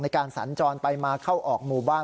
การสัญจรไปมาเข้าออกหมู่บ้าน